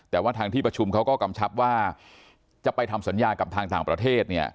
แต่ว่าทางที่ประชุมเขาก็กำชับว่าจะไปทำสัญญากับทางต่างประเทศเนี่ย